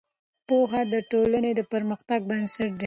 پوهه د ټولنې د پرمختګ بنسټ دی.